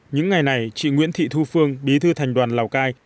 những ngày này chị nguyễn thị thu phương bí thư thành đoàn lào cai